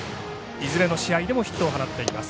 いずれもヒットを放っています。